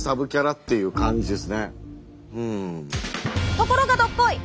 ところがどっこい！